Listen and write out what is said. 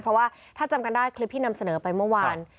เพราะว่าถ้าจำกันได้คลิปที่นำเสนอไปเมื่อวาน